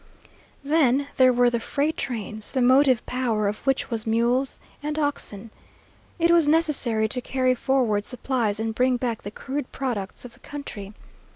Then there were the freight trains, the motive power of which was mules and oxen. It was necessary to carry forward supplies and bring back the crude products of the country.